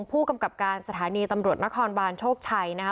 ผู้กำกับการสถานีตำรวจนครบานโชคชัยนะคะ